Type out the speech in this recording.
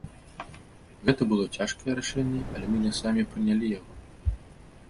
Гэта было цяжкае рашэнне, але мы не самі прынялі яго.